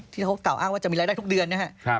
ที่เขากล่าวอ้างว่าจะมีรายได้ทุกเดือนนะครับ